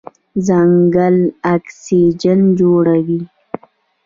ځنګل اکسیجن جوړوي.